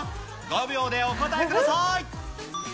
５秒でお答えください。